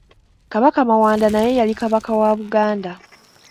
Kabaka mawanda naye yali Kabaka wa Buganda